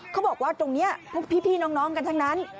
เขาบอกว่าตรงนี้พี่น้องกันทั้งนั้น